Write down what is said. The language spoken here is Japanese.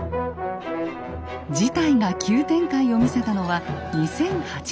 事態が急展開を見せたのは２００８年のこと。